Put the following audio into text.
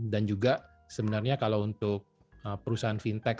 dan juga sebenarnya kalau untuk perusahaan fintech